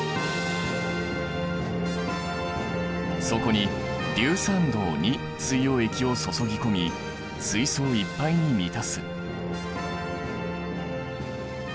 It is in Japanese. そこに硫酸銅水溶液を注ぎ込み水槽をいっぱいに満たす。